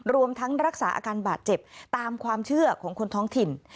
รวมทั้งรักษาอาการบาดเจ็บตามความเชื่อของคนท้องถิ่น